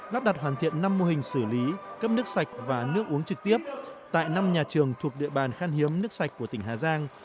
lắp đặt hoàn thiện năm mô hình xử lý cấp nước sạch và nước uống trực tiếp tại năm nhà trường thuộc địa bàn khan hiếm nước sạch của tỉnh hà giang